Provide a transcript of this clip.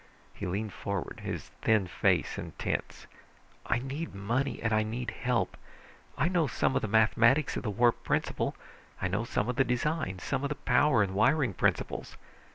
He leaned forward, his thin face intense. "I need money and I need help. I know some of the mathematics of the warp principle, know some of the design, some of the power and wiring principles.